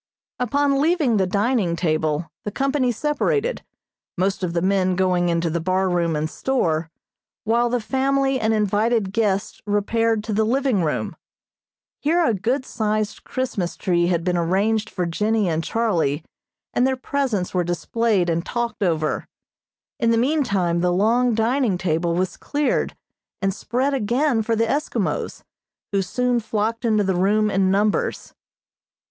Upon leaving the dining table, the company separated, most of the men going into the bar room and store, while the family and invited guests repaired to the living room. Here a good sized Christmas tree had been arranged for Jennie and Charlie, and their presents were displayed and talked over. In the meantime, the long dining table was cleared and spread again for the Eskimos, who soon flocked into the room in numbers.